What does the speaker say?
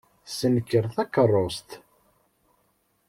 Ssenker takeṛṛust.